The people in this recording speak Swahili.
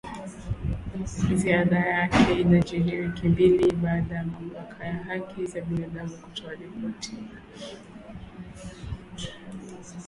Ziara yake inajiri wiki mbili baada ya Mamlaka ya haki za binadamu kutoa ripoti